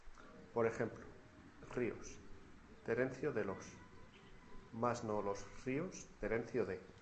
Por ejemplo: Ríos, Terencio de los; mas no los Ríos, Terencio de.